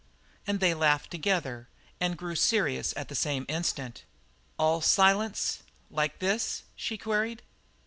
And they laughed together, and grew serious at the same instant. "All silence like this?" she queried.